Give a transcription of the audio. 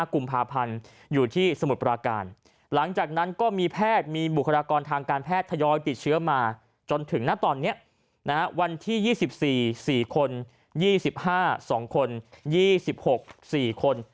กุมภาพันธ์อยู่ที่สมุทรปราการหลังจากนั้นก็มีแพทย์มีบุคลากรทางการแพทย์ทยอยติดเชื้อมาจนถึงณตอนนี้วันที่๒๔๔คน๒๕๒คน๒๖๔คน